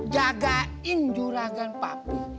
jagain juragan papi